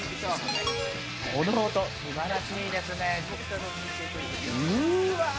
この音、素晴らしいですね。